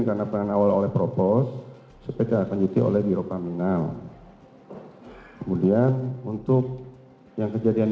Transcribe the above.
karena penanganan awal oleh propos sehingga akan dititik oleh birokaminal kemudian untuk yang kejadian ini